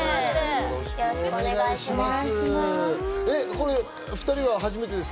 よろしくお願いします。